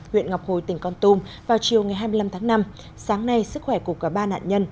huyện ngọc hồi tỉnh con tum vào chiều ngày hai mươi năm tháng năm sáng nay sức khỏe của cả ba nạn nhân